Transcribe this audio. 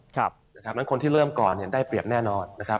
ครับนะครับแล้วคนที่เริ่มก่อนเนี่ยได้เปรียบแน่นอนนะครับ